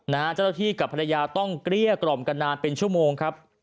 เจ้าหน้าที่กับภรรยาต้องเกลี้ยกล่อมกันนานเป็นชั่วโมงครับ